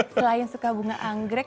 selain suka bunga anggrek